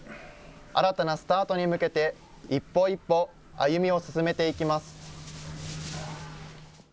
新たなスタートに向けて、一歩一歩、歩みを進めていきます。